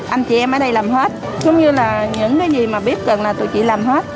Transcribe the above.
anh chị em ở đây làm hết cũng như là những cái gì mà biết rằng là tụi chị làm hết